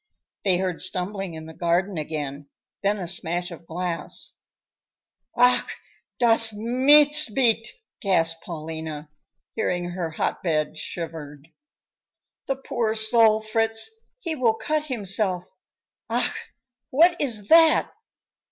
They heard stumbling in the garden again, then a smash of glass. "Ach, das Mistbeet!" gasped Paulina, hearing her hotbed shivered. "The poor soul, Fritz, he will cut himself. Ach! what is that?"